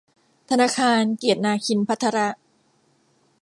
ธนาคารเกียรตินาคินภัทร